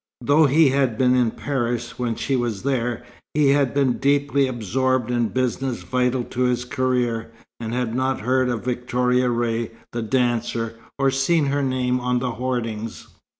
Though he had been in Paris when she was there, he had been deeply absorbed in business vital to his career, and had not heard of Victoria Ray the dancer, or seen her name on the hoardings.